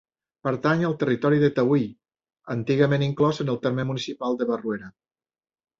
Pertany al territori de Taüll, antigament inclòs en el terme municipal de Barruera.